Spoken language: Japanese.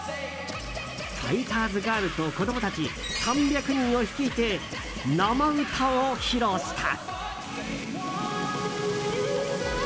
ファイターズガールと子供たち３００人を率いて生歌を披露した。